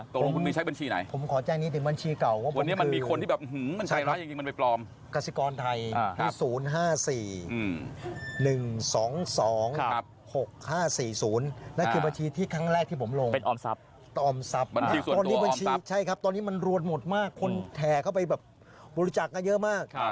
ตอนนี้บัญชีใช่ครับตอนนี้มันรวดหมดมากคนแถเข้าไปแบบบริจักษ์กันเยอะมาก